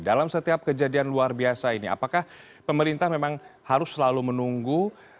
dalam setiap kejadian luar biasa ini apakah pemerintah memang harus selalu menunggu